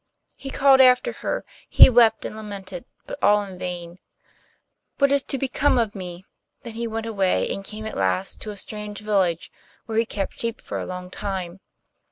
He called after her, he wept and lamented, but all in vain. 'What is to become of me!' he thought. Then he went away, and came at last to a strange village, where he kept sheep for a long time.